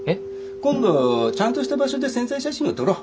今度ちゃんとした場所で宣材写真を撮ろう。